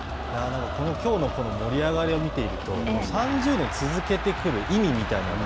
このきょうの盛り上がりを見ていると、３０年続けてくる意味みたいなもの